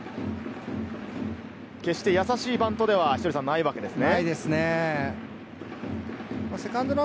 決してやさしいバントではないわけですよね。